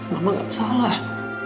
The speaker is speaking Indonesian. mama gak salah